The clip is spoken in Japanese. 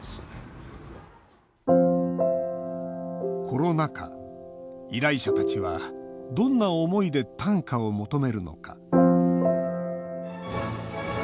コロナ禍、依頼者たちはどんな思いで短歌を求めるのか。